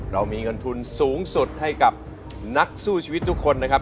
เรามีเงินทุนสูงสุดให้กับนักสู้ชีวิตทุกคนนะครับ